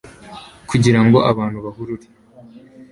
kugirango abantu bahurure